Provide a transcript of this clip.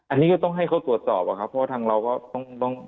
อันนี้ก็ต้องให้เขาตรวจสอบอะครับเพราะว่าทางเราก็ต้อง